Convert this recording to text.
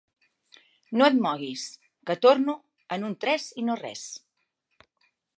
No et moguis, que torno en un tres i no res.